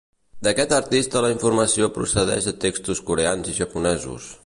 D'aquest artista la informació procedeix de textos coreans i japonesos.